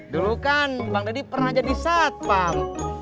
dulu kan bang deddy pernah jadi satpam